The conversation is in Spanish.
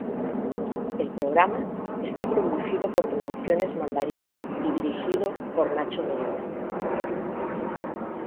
El programa está producido por Producciones Mandarina y dirigido por Nacho Medina.